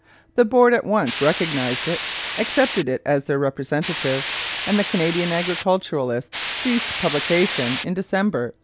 The board at once recognized it, accepted it as their representative, and the Canadian Agriculturist ceased publication in December 1863.